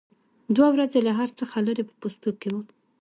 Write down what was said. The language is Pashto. دوه ورځې له هر څه څخه لرې په پوستو کې وم.